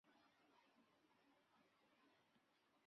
约旦政府还容许安曼开设了几个对同性恋友好的咖啡厅。